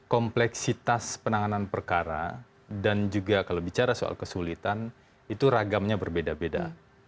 kompleksitas penanganan perkara dan juga kalau bicara soal kesulitan itu ragamnya berbeda beda